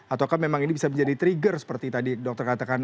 ataukah memang ini bisa menjadi trigger seperti tadi dokter katakan